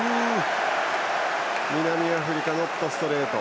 南アフリカノットストレート。